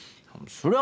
そりゃ